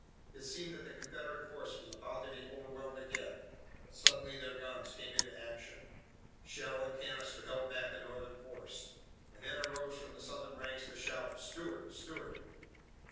It seemed that the Confederate force was about to be overwhelmed again, but suddenly their guns came into action. Shell and canister held back the Northern force, and then arose from the Southern ranks the shout: "Stuart! Stuart!"